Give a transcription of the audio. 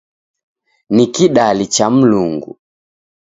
Ni kidali cha Mlungu.